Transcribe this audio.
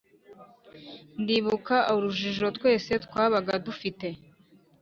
ndibuka urujijo twese twabaga dufite